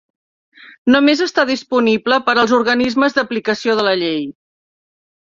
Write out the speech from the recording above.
Només està disponible per als organismes d'aplicació de la llei.